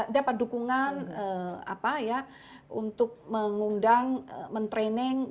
dapat dukungan untuk mengundang mentraining